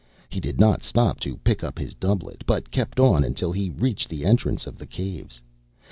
He did not stop to pick up his doublet, but kept on until he reached the entrance of the caves.